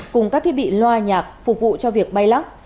cùng các thiết bị loa nhạc phục vụ cho việc bay lắc